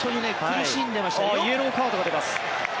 イエローカードが出ます。